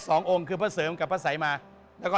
สององค์คือพระเสริมกับพระสัยมาแล้วก็